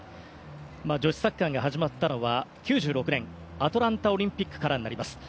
女子サッカーが始まったのが、９６年アトランタオリンピックからになります。